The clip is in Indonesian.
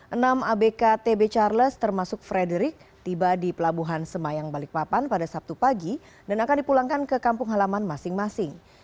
enam abk tb charles termasuk frederick tiba di pelabuhan semayang balikpapan pada sabtu pagi dan akan dipulangkan ke kampung halaman masing masing